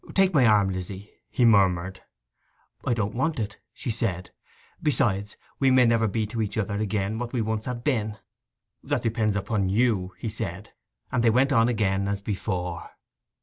'Take my arm, Lizzy,' he murmured. 'I don't want it,' she said. 'Besides, we may never be to each other again what we once have been.' 'That depends upon you,' said he, and they went on again as before.